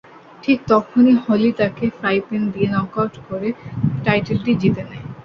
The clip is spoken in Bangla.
ঠিক তখনি হলি তাকে ফ্রাই প্যান দিয়ে নকআউট করে টাইটেলটি জিতে নেয়।